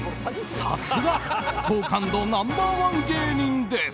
さすが好感度ナンバー１芸人です。